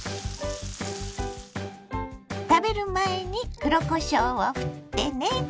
食べる前に黒こしょうをふってね。